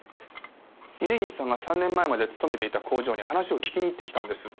峰岸さんが３年前まで勤めていた工場に話を聞きにいってきたんです。